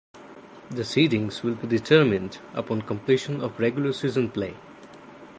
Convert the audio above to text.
The seedings will be determined upon completion of regular season play.